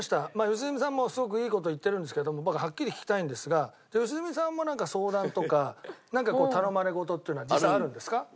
良純さんもすごくいい事言ってるんですけど僕はっきり聞きたいんですが良純さんもなんか相談とか頼まれ事っていうのは実際あるんですか？